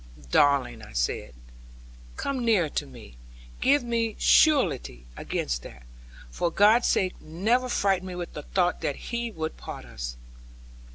'Darling,' I said, 'come nearer to me. Give me surety against that. For God's sake never frighten me with the thought that He would part us.'